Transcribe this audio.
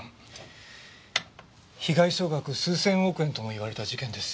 被害総額数千億円ともいわれた事件です。